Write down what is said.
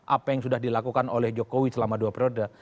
apa yang sudah dilakukan oleh jokowi selama dua periode